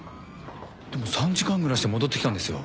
でも３時間ぐらいして戻ってきたんですよ。